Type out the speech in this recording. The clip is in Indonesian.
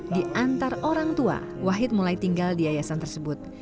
di antar orang tua wahid mulai tinggal di yayasan tersebut